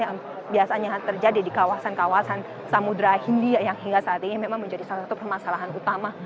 yang biasanya terjadi di kawasan kawasan samudera hindia yang hingga saat ini memang menjadi salah satu permasalahan utama